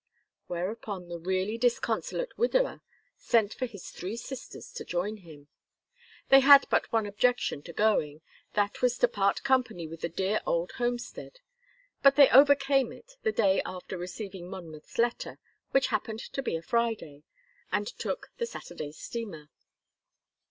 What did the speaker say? Whereupon the really disconsolate widower sent for his three sisters to join him. They had but one objection to going, that was to part company with the dear old homestead, but they overcame it the day after receiving Monmouth's letter, which happened to be a Friday, and took the Saturday's steamer.